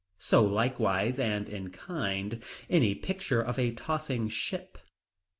So likewise, and in kind, any picture of a tossing ship.